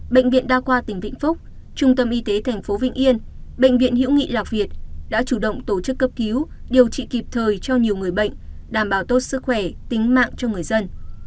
bệnh viện đa khoa tỉnh vĩnh phúc trung tâm y tế tp vĩnh yên bệnh viện hiễu nghị lạc việt đã chủ động tổ chức cấp cứu điều trị kịp thời cho nhiều người bệnh đảm bảo tốt sức khỏe tính mạng cho người dân